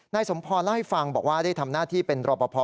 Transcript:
นายสมภล่าให้ฟังบอกว่าได้ทำหน้าที่เป็นรอบพอ